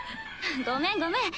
ごめんごめん。